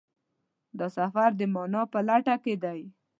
دا سفر د مانا په لټه کې دی.